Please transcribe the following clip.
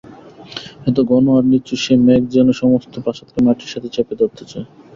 এত ঘন আর নিচু সে মেঘ যেন সমস্ত প্রাসাদকে মাটির সাথে চেপে ধরতে চায়।